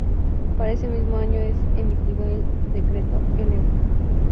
Para ese mismo año es emitido el Decreto-No.